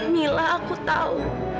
mila aku tahu